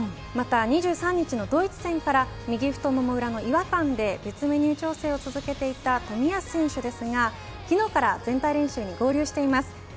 また、２３日のドイツ戦から右太もも裏の違和感で別メニュー調整を続けていた冨安選手ですが昨日から全体練習に合流しています。